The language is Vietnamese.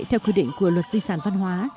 theo quy định của luật di sản văn hóa